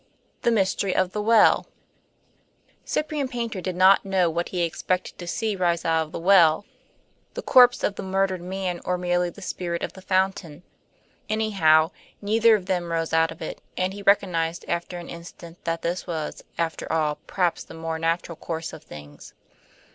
III. THE MYSTERY OF THE WELL Cyprian Paynter did not know what he expected to see rise out of the well the corpse of the murdered man or merely the spirit of the fountain. Anyhow, neither of them rose out of it, and he recognized after an instant that this was, after all, perhaps the more natural course of things.